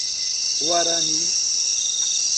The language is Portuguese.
Guarani